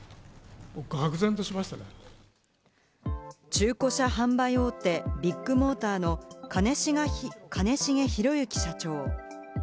中古車販売大手・ビッグモーターの兼重宏行社長。